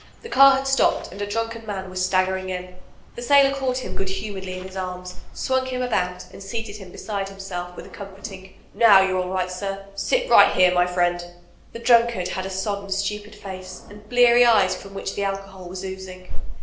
The car had stopped, and a drunken man was staggering in. The sailor caught him good humoredly in his arms, swung him about, and seated him beside himself with a comforting ''Now youVe all right, sir ; sit right here, my friend/' The drunkard had a sodden, stupid face and bleary eyes from which the alcohol was oozing.